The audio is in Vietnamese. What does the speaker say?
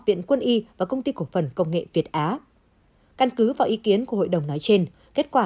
viện quân y và công ty cổ phần công nghệ việt á căn cứ vào ý kiến của hội đồng nói trên kết quả